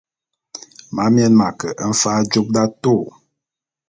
Mamien m'ake mfa'a jôp d'atôô.